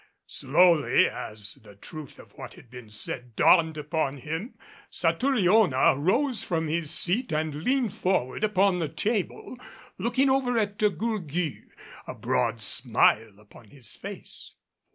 Slowly, as the truth of what had been said dawned upon him, Satouriona arose from his seat and leaning forward upon the table, looked over at De Gourgues, a broad smile upon his face.